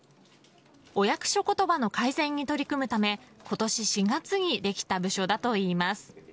お役所言葉の改善に取り組むため今年４月にできた部署だといいます。